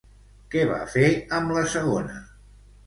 Què va fer amb la segona?